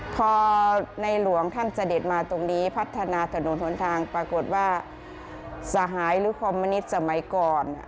พัฒนาถนนทนทางปรากฏว่าสหายหรือความมะนิดสมัยก่อน